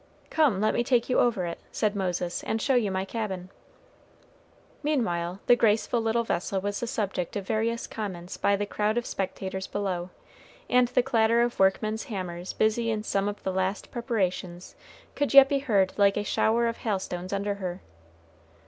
"Come, let me take you over it," said Moses, "and show you my cabin." Meanwhile the graceful little vessel was the subject of various comments by the crowd of spectators below, and the clatter of workmen's hammers busy in some of the last preparations could yet be heard like a shower of hail stones under her.